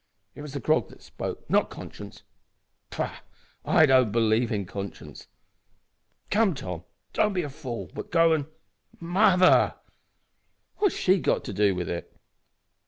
It was the grog that spoke, not conscience. Pooh! I don't believe in conscience. Come, Tom, don't be a fool, but go and Mother! What has she got to do with it?